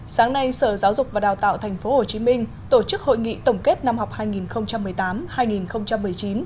sáng nay sở giáo dục và đào tạo tp hcm tổ chức hội nghị tổng kết năm học hai nghìn một mươi tám hai nghìn một mươi chín